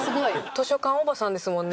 図書館おばさんですもんね。